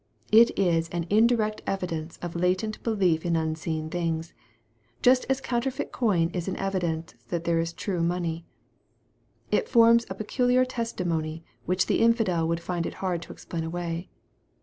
It is an indirect evidence of latent belief in unseen things, just as counterfeit coin is an evidence that there is true money. It forms a peculiar testimony which the infidel would find it hard to explain away.